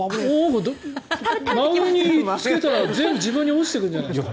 真上にかけたら全部自分に落ちてくるんじゃない？